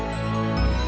sama pak ustadz